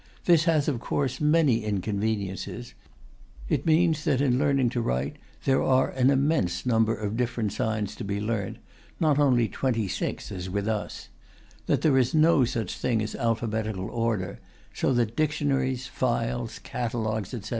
This has, of course, many inconveniences: it means that, in learning to write, there are an immense number of different signs to be learnt, not only 26 as with us; that there is no such thing as alphabetical order, so that dictionaries, files, catalogues, etc.